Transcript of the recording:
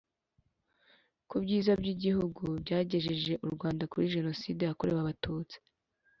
ku byiza by Igihugu byagejeje u Rwanda kuri Jenoside yakorewe Abatutsi